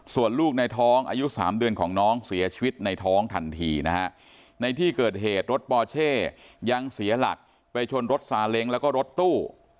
ส่วนลูกในท้องอายุ๓เดือนของน้องเสียชีวิตในท้องทันทีนะฮะในที่เกิดเหตุรถปอเช่ยังเสียหลักไปชนรถซาเล้งแล้วก็รถตู้